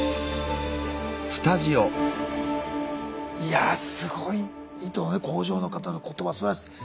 いやぁすごい糸の工場の方の言葉すばらしい。